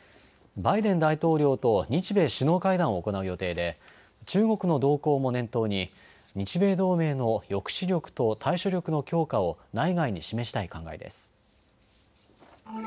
バイデン大統領と日米首脳会談を行う予定で中国の動向も念頭に日米同盟の抑止力と対処力の強化を内外に示したい考えです。